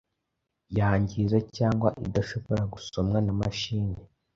yangiza cyangwa idashobora gusomwa na machine